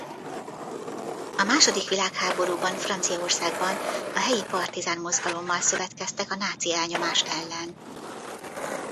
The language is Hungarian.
A második világháborúban Franciaországban a helyi partizán mozgalommal szövetkeztek a náci elnyomás ellen.